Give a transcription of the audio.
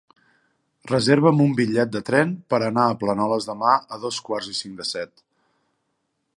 Reserva'm un bitllet de tren per anar a Planoles demà a dos quarts i cinc de set.